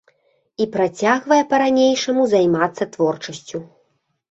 І працягвае па-ранейшаму займацца творчасцю.